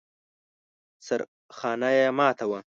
سرخانه يې ماته وه.